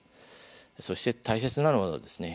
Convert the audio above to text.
そして、大切なのはですね